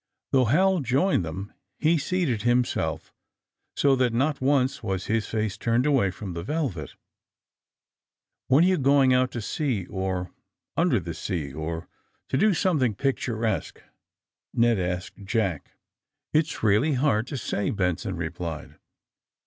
Though Hal joined them he seated himself so that not once was his face turned away from the ^^ Velvet." '^When are you going out to sea, or under the sea, or to do something picturesque I '' Ned asked Jack. ^^It's really hard to say," Benson replied.